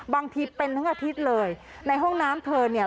บางทีเป็นทั้งอาทิตย์เลยในห้องน้ำเธอเนี่ย